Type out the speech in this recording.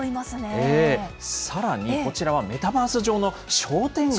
さらにこちらはメタバース上の商店街。